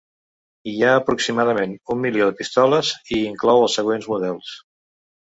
Hi ha aproximadament un milió de pistoles, i inclou els següents models.